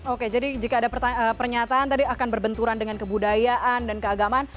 oke jadi jika ada pernyataan tadi akan berbenturan dengan kebudayaan dan keagamaan